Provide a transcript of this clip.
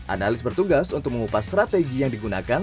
analis bertugas untuk mengupas strategi yang digunakan